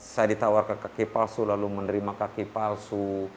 saya ditawarkan kaki palsu lalu menerima kaki palsu